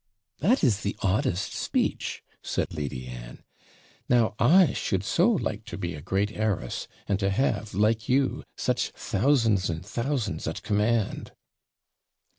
'That is the oddest speech,' said Lady Anne. 'Now I should so like to be a great heiress, and to have, like you, such thousands and thousands at command.'